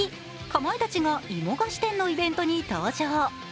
かまいたちが芋菓子店のイベントに登場。